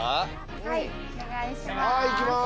はいお願いします。